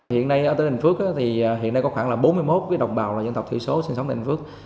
hiện nay ở tây đình phước có khoảng bốn mươi một đồng bào dân tộc thủy số sinh sống tây đình phước